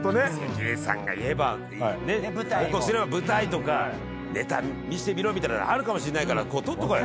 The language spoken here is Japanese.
関根さんが言えば報告すれば舞台とかネタ見せてみろみたいなあるかもしれないから取っとこうよ。